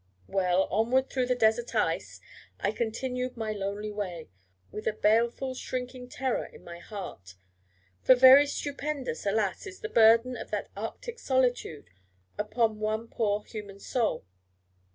Well, onward through the desert ice I continued my lonely way, with a baleful shrinking terror in my heart; for very stupendous, alas! is the burden of that Arctic solitude upon one poor human soul.